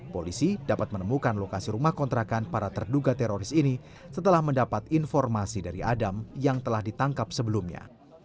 polisi dapat menemukan lokasi rumah kontrakan para terduga teroris ini setelah mendapat informasi dari adam yang telah ditangkap sebelumnya